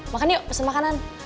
makan yuk pesen makanan